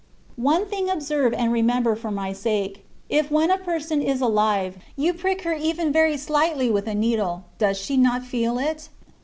One thing observe and remember for my sake. If when a person is alive, you prick her even very slightly with a needle, does she not feel it